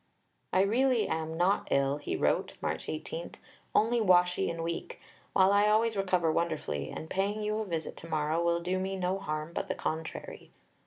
"I really am not ill," he wrote (March 18), "only washy and weak, while I always recover wonderfully, and paying you a visit to morrow will do me no harm but the contrary."